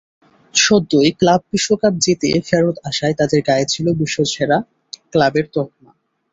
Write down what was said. সদ্যই club বিশ্বকাপ জিতে ফেরত আসায় তাদের গায়ে ছিল বিশ্বসেরা ক্লাবের তকমা।